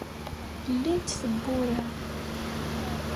Llint tebbura.